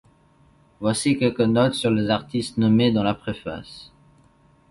Voici quelques notes sur les artistes nommés dans la préface.